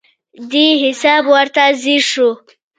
دې حساب ورته ځیر شو.